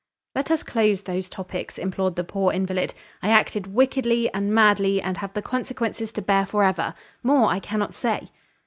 "Let us close those topics" implored the poor invalid. "I acted wickedly and madly, and have the consequences to bear forever. More I cannot say."